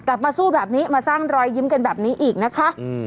กลับมาสู้แบบนี้มาสร้างรอยยิ้มกันแบบนี้อีกนะคะ